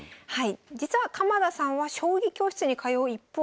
実は鎌田さんは将棋教室に通う一方